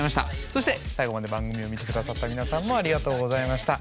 そして最後まで番組を見て下さった皆さんもありがとうございました。